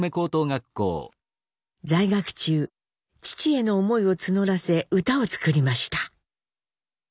在学中父への思いを募らせ歌を作りました。